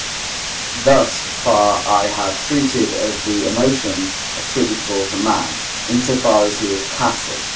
Thus far I have treated of the emotions attributable to man, in so far as he is passive.